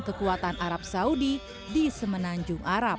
kekuatan arab saudi di semenanjung arab